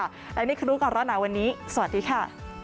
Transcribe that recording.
และนี่คือกันแล้วนะวันนี้สวัสดีค่ะ